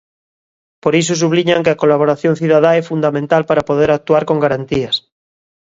Por iso subliñan que a colaboración cidadá é fundamental para poder actuar con garantías.